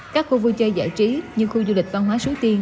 các khu vui chơi giải trí như khu du lịch văn hóa suối tiên